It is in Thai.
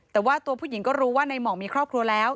แต่ว่าตัวผู้หญิงก็รู้ว่าในห่องมีครอบครัวแล้ว